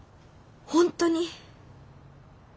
本当に？